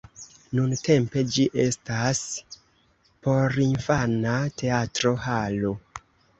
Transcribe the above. Nuntempe ĝi estas porinfana teatro-halo.